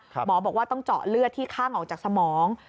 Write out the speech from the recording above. หมอบอกว่าต้องเจาะเลือดที่ข้างออกจากสมอง